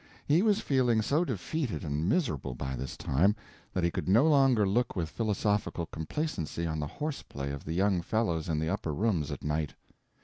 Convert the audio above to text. He was feeling so defeated and miserable by this time that he could no longer look with philosophical complacency on the horseplay of the young fellows in the upper rooms at night.